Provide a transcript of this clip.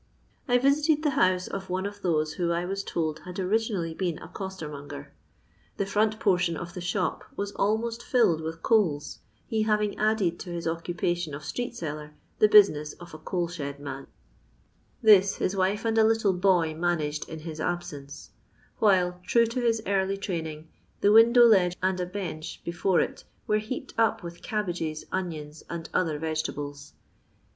I visited the house of one of those who I was told had originally been a coster monger. The front portion of the shop was almoai filled with coals, he having added to his occupation of street seller the business of a coal shed man; this his wife and a little boy managed in his absence ; while, true to his early training, the window ledge and a bench before it were heaped up with cabbages, onions, and other vege tables.